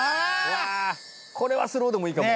これはスローでもいいかも。